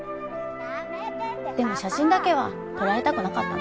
でも写真だけは撮られたくなかった。